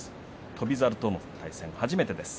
翔猿との対戦初めてです。